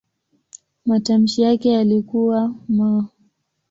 Matamshi yake yalikuwa "m".